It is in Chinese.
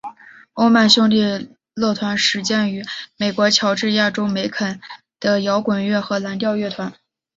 欧曼兄弟乐团始建于美国乔治亚州梅肯的摇滚乐和蓝调乐团。